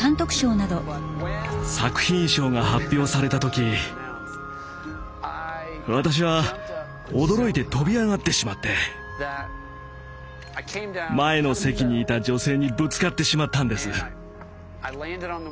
作品賞が発表された時私は驚いて飛び上がってしまって前の席にいた女性にぶつかってしまったんです。